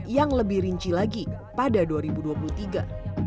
yang lebih rinci lagi pada dua ribu dua puluh tiga